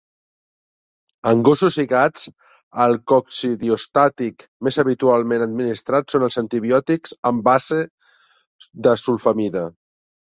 En gossos i gats, el coccidiostàtic més habitualment administrat són els antibiòtics amb base de sulfamida.